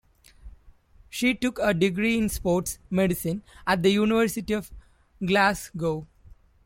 She took a degree in sports medicine at the University of Glasgow.